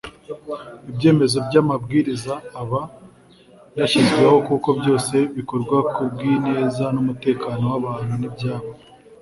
ibyemezo n’amabwiriza aba yashyizweho kuko byose bikorwa ku bw’ineza n’umutekano w’abantu n’ibyabo